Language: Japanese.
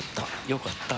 よかった。